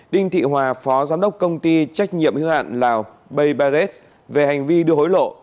đinh thị hòa phó giám đốc công ty trách nhiệm hư hạn lào bay barret về hành vi đưa hối lộ